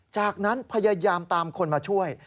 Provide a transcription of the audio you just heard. จากนั้นพยายามตามคนมาช่วย